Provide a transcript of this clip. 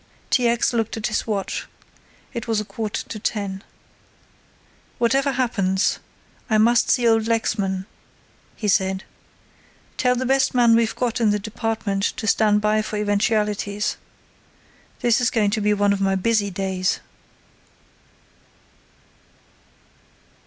T. X. looked at his watch. It was a quarter to ten. "Whatever happens, I must see old Lexman," he said. "Tell the best men we've got in the department to stand by for eventualities. This is going to be one of my busy days."